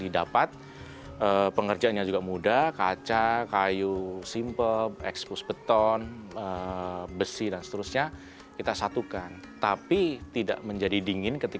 didapat pengerjaannya juga mudah kaca kayu simpel ekspos beton besi dan seterusnya kita satukan tapi